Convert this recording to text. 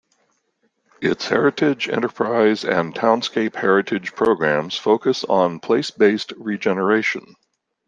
Its Heritage Enterprise and Townscape Heritage programmes focus on place-based regeneration.